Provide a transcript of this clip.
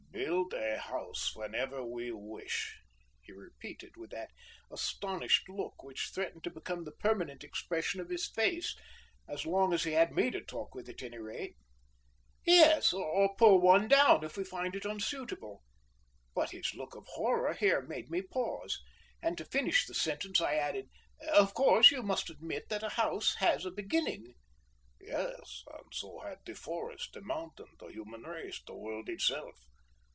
"Build a house whenever we wish!" he repeated, with that astonished look which threatened to become the permanent expression of his face so long as he had me to talk with, at any rate. "Yes, or pull one down if we find it unsuitable " But his look of horror here made me pause, and to finish the sentence I added: "Of course, you must admit that a house had a beginning?" "Yes; and so had the forest, the mountain, the human race, the world itself.